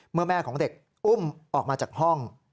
แม่ของเด็กอุ้มออกมาจากห้อง